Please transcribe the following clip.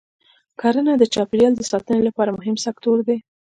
کرنه د چاپېریال د ساتنې لپاره مهم سکتور دی.